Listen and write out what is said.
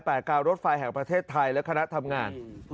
แต่การรถไฟแห่งประเทศไทยและคณะทำงาน